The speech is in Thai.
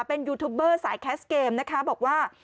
เป็นยูทูบเบอร์สายแคสเกมนะคะบอกว่า